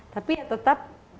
tapi ya tetap